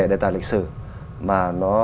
đề tài lịch sử mà nó